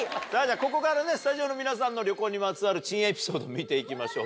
ここからねスタジオの皆さんの旅行にまつわる珍エピソード見ていきましょう